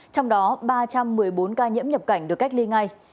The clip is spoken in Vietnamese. trong đó ba trăm một mươi bốn ca nhiễm nhập cảnh được cách ly ngay